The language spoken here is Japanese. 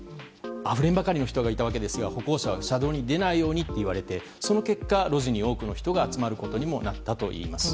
あふれんばかりの人がいたわけですが、歩行者は車道に出ないようにと言われてその結果、路地に多くの人が集まることになったといいます。